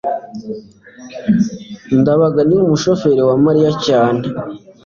ndabaga ni umushoferi wa mariya cyane